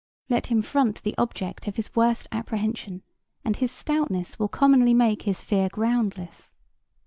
Let him front the object of his worst apprehension, and his stoutness will commonly make his fear groundless.